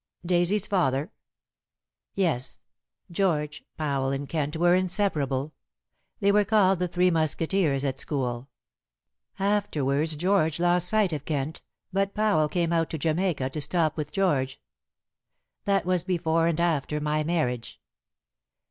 "Daisy's father?" "Yes. George, Powell, and Kent were inseparable. They were called the Three Musketeers at school. Afterwards George lost sight of Kent, but Powell came out to Jamaica to stop with George. That was before and after my marriage.